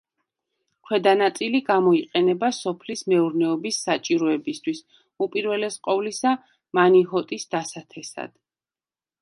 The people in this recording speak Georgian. ქვედა ნაწილი გამოიყენება სოფლის მეურნეობის საჭიროებისთვის, უპირველეს ყოვლისა მანიჰოტის დასათესად.